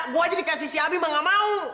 gue aja dikasih si abi mbak nggak mau